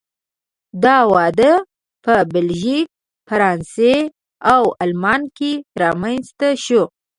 دا وده په بلژیک، فرانسې او آلمان کې رامنځته شوه.